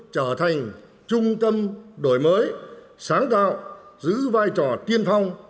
trở thành trung tâm đổi mới sáng tạo giữ vai trò tiên phong